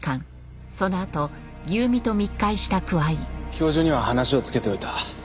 教授には話をつけておいた。